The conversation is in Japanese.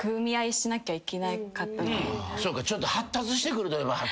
そうかちょっと発達してくると。